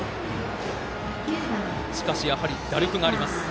しかし、やはり打力があります。